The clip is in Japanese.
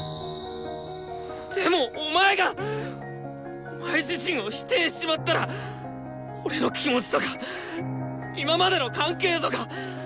でもお前がお前自身を否定しちまったら俺の気持ちとか今までの関係とか全部がウソになっちまう！